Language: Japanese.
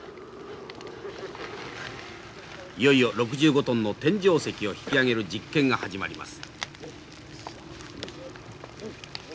いよいよ６５トンの天井石を引き上げる実験が始まります。